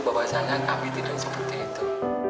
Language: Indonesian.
bahwasannya kami tidak seperti itu